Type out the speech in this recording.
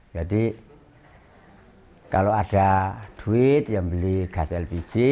jadi kalau ada duit beli gas lpg